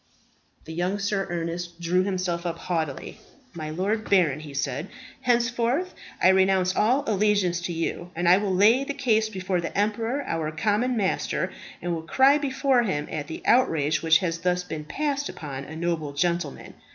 The young Sir Ernest drew himself up haughtily. "My lord baron," he said, "henceforth I renounce all allegiance to you, and I will lay the case before the emperor, our common master, and will cry before him at the outrage which has thus been passed upon a noble gentleman.